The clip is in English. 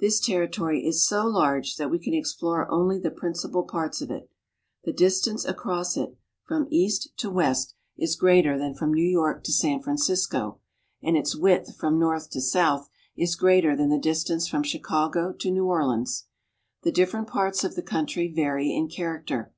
This territory is so large that we can explore only the principal parts of it. The distance across it from east to f 164 AFRICA west is greater than from New York to San Francisco, and its width from north to south is greater than the distance from Chicago to New Orleans. The different parts of the country vary in character.